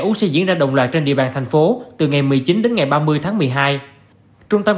úc sẽ diễn ra đồng loạt trên địa bàn thành phố từ ngày một mươi chín đến ngày ba mươi tháng một mươi hai trung tâm